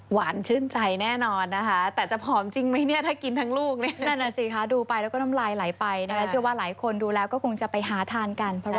ภูริตาบุญมีนุสรข่าวไทยรัฐทีวีรายงาน